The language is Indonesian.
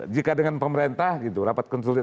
jika dengan pemerintah gitu rapat konsulnya